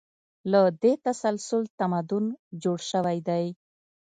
له دې تسلسل تمدن جوړ شوی دی.